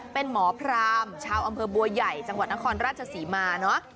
เป็นหมอพรามชาวอำเภอบัวใหญ่จังหวัดนครราชศรีมาเนอะ